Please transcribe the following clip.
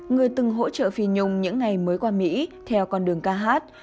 người từng hỗ trợ phi nhung những ngày mới qua mỹ theo con đường ca hát